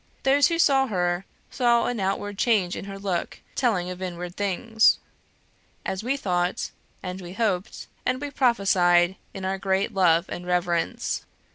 Those who saw her, saw an outward change in her look, telling of inward things. And we thought, and we hoped, and we prophesied, in our great love and reverence.